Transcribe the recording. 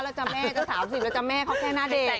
แล้วจ้ะแม่จะ๓๐แล้วจ้แม่เขาแค่หน้าเด็ก